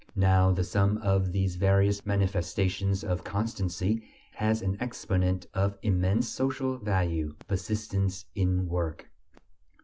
Now the sum of these various manifestations of constancy has an exponent of immense social value: persistence in work.